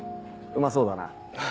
うまそうだな。